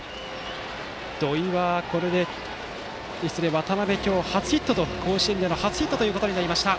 渡邊、今日甲子園での初ヒットとなりました。